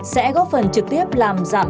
sẽ góp phần trực tiếp làm giảm